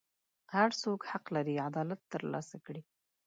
هر څوک حق لري عدالت ترلاسه کړي.